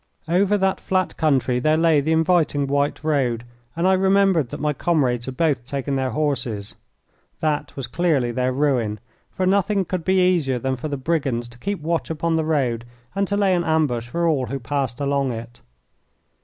Over that flat country there lay the inviting white road, and I remembered that my comrades had both taken their horses. That was clearly their ruin, for nothing could be easier than for the brigands to keep watch upon the road, and to lay an ambush for all who passed along it.